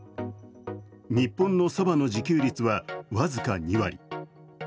日本のそばの自給率は、僅か２割。